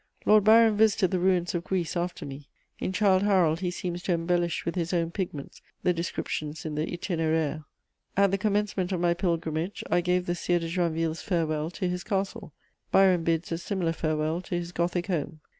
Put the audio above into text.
Lord Byron visited the ruins of Greece after me: in Childe Harold he seems to embellish with his own pigments the descriptions in the Itinéraire. At the commencement of my pilgrimage I gave the Sire de Joinville's farewell to his castle: Byron bids a similar farewell to his Gothic home.